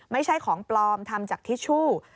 ไม่ใช่ของปลอมทำจากทิชชู่